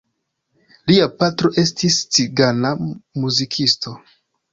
Lia patro estis cigana muzikisto.